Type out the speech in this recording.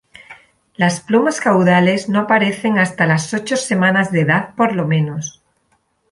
Las plumas caudales no aparecen hasta las ocho semanas de edad por lo menos.